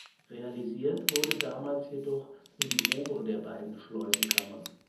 Realisiert wurde damals jedoch nur die Obere der beiden Schleusenkammern.